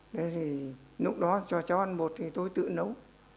thế thì lúc đó cho ăn bột thì tôi tự nấu